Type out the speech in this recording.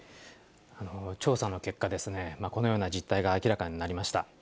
調査の結果ですね、このような実態が明らかになりました。